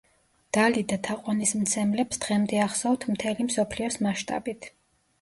დალიდა თაყვანისმცემლებს დღემდე ახსოვთ მთელი მსოფლიოს მასშტაბით.